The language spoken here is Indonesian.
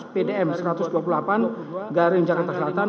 bdm satu ratus dua puluh delapan daring jakarta selatan